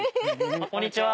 こんにちは。